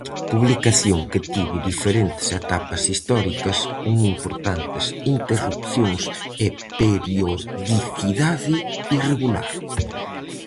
Publicación que tivo diferentes etapas históricas con importantes interrupcións e periodicidade irregular.